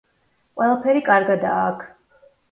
ყველაფერი კარგადაა აქ.